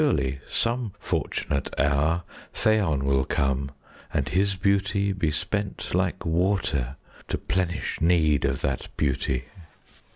Surely some fortunate hour 5 Phaon will come, and his beauty Be spent like water to plenish Need of that beauty!